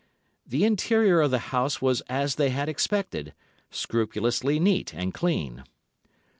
The interior of the house was as they had expected—scrupulously neat and clean.